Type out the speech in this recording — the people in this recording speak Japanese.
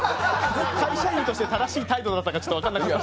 会社員として正しい態度だったか分かんなくて。